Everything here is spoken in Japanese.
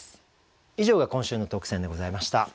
以上が今週の特選でございました。